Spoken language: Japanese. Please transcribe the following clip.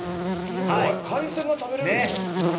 海鮮が食べれるの？